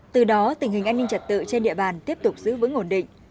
từ đó tình hình an ninh trật tự trên địa bàn tiếp tục giữ vững ổn định